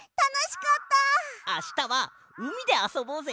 あしたはうみであそぼうぜ。